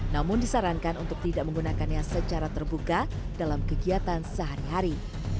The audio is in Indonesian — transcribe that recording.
namun disarankan untuk tidak menggunakannya secara terbuka dalam kegiatan sehari hari